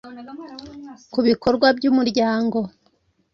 ku bikorwa by Umuryango